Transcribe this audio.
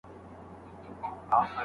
حقوقپوهان څنګه فردي ازادۍ ته وده ورکوي؟